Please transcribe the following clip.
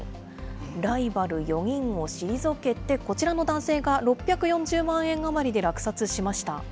ライバル４人を退けて、こちらの男性が６４０万円余りで落札しました。